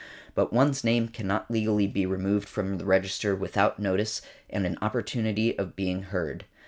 But one's name cannot legally be removed from the register without notice and an opportunity of being heard .